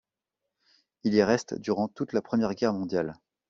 Il y reste durant toute la Première Guerre mondiale.